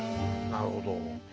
なるほど。